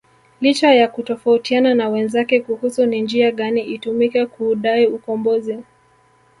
Licha ya kutofautiana na wenzake kuhusu ni njia gani itumike kuudai ukombozi